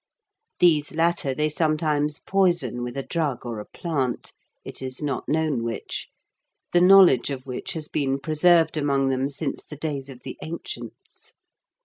These latter they sometimes poison with a drug or a plant (it is not known which), the knowledge of which has been preserved among them since the days of the ancients.